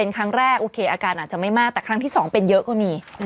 ครั้งแรกโอเคอาการอาจจะไม่มากแต่ครั้งที่๒เป็นเยอะก็มี